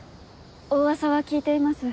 お噂は聞いています